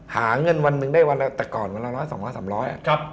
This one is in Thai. หาเงินวันหนึ่งได้วันอะไรแต่ก่อนว่าร้อยสองร้อยสามร้อย